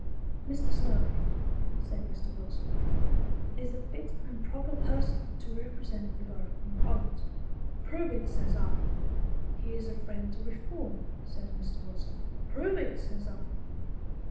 ' Mr. Snobee,' said Mr. Wilson, ' is a fit and proper person to represent the borough in Parliament.' ' Prove it,' says I. ' He is a friend to Keform,' says Mr. Wilson. ' Prove it,' says I.